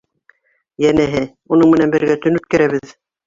Йәнәһе, уның менән бергә төн үткәрәбеҙ.